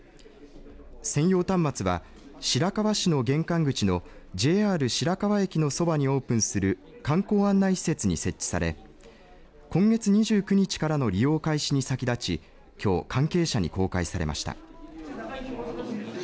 専用端末は白河市の玄関口のＪＲ白河駅のそばにオープンする観光案内施設に設置され今月２９日からの利用開始に先立ちきょう関係者に公開されました。